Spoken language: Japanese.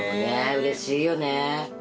うれしいよね。